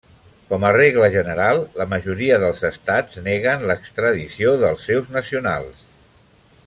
Com a regla general, la majoria dels estats neguen l'extradició dels seus nacionals.